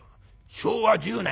昭和１０年。